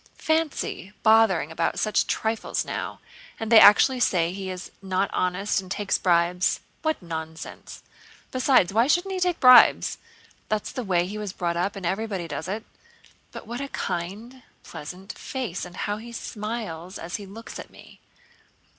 Fancy bothering about such trifles now! And they actually say he is not honest and takes bribes. What nonsense! Besides, why shouldn't he take bribes? That's the way he was brought up, and everybody does it. But what a kind, pleasant face and how he smiles as he looks at me."